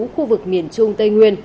khu vực miền trung tây nguyên